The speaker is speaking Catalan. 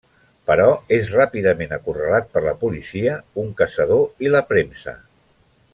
Però és ràpidament acorralat per la policia, un caçador i la premsa.